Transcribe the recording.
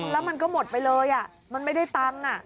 แล้วมันก็หมดไปเลยมันไม่ได้ตังค์